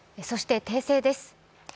そして訂正です。